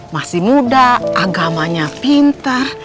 masih muda agamanya pintar